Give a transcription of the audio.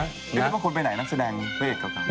ไม่ได้บางคนไปไหนนักแสดงเบศกลับมา